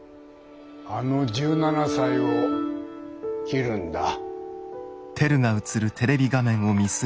あの１７才を切るんだ。